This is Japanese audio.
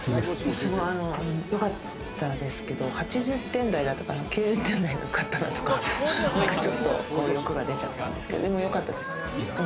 よかったですけど、８０点台だったから、９０点台がよかったなとか、ちょっと欲が出ちゃったんですけれど、でもよかったです。